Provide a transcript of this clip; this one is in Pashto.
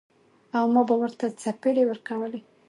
او ما به ورته څپېړې ورکولې.